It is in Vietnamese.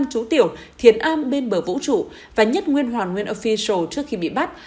năm chú tiểu thiền am bên bờ vũ trụ và nhất nguyên hoàn nguyên official trước khi bị bắt